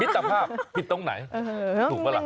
มิตรภาพผิดตรงไหนถูกหรือเปล่า